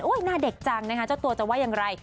อุ๊ยหน้าเด็กจังเลยนะคะเจ้าตัวจะว่ายังไง